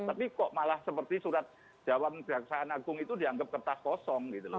tapi kok malah seperti surat jawab jaksaan agung itu dianggap kertas kosong gitu loh